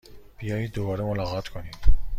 بیایید دوباره ملاقات کنیم!